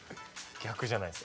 逆じゃないです。